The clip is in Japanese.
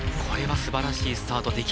これはすばらしいスタート